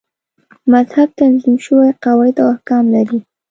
مذهب تنظیم شوي قواعد او احکام لري.